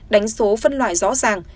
đánh số phân loại rõ ràng